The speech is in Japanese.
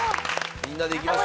みんなでいきましょう！